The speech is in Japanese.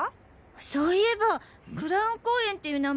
そういえば蔵雲公園っていう名前